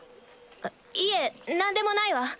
いえ何でもないわ。